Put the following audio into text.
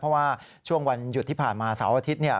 เพราะว่าช่วงวันหยุดที่ผ่านมาเสาร์อาทิตย์เนี่ย